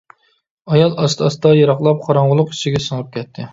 ئايال ئاستا-ئاستا يىراقلاپ قاراڭغۇلۇق ئىچىگە سىڭىپ كەتتى.